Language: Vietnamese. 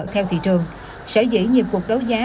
theo thị trường sở dĩ nhiệm cuộc đấu giá